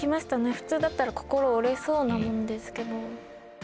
普通だったら心折れそうなもんですけど。